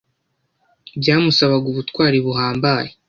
byamusabaga ubutwari buhambaye